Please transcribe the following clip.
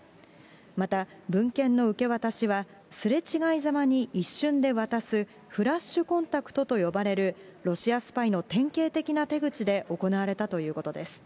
また文献の受け渡しはすれ違いざまに一瞬で渡す、フラッシュコンタクトと呼ばれるロシアスパイの典型的な手口で行われたということです。